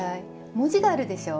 文字があるでしょう？